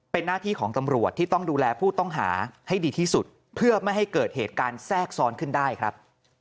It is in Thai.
เป็นหน้าที่ของตำรวจที่ต้องดูแลผู้ต้องหาให้ดีที่สุดเพื่อไม่ให้เกิดเหตุการณ์แทรกซ้อนขึ้นได้ครับ